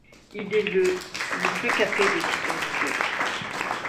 Il est le le plus capé de l'histoire du club.